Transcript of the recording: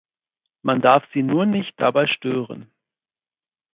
Man darf sie nur nicht dabei stören!